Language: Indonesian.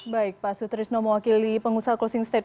baik pak sutrisno mewakili pengusaha closing state